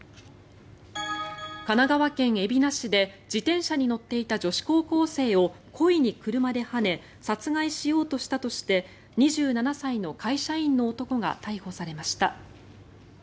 神奈川県海老名市で自転車に乗っていた女子高校生を故意に車ではね殺害しようとしたとして２７歳の会社員の男が逮捕されました。